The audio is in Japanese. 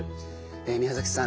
宮崎さん